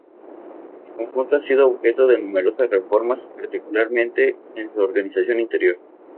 El conjunto ha sido objeto de numerosas reformas, particularmente en su organización interior.